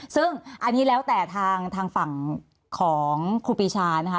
ซึ่งอันนี้แล้วแต่ทางฝั่งของครูปีชานะคะ